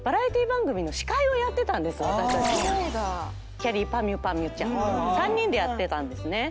きゃりーぱみゅぱみゅちゃんと３人でやってたんですね。